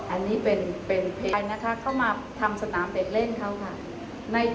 อันนี้เป็นเพลงนะคะเข้ามาทำสนามเด็กเล่นเขาค่ะ